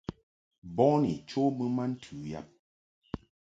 Boni cho mɨ ma ntɨ yab.